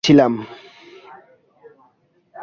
আমি তাদের সভাপতি ছিলাম।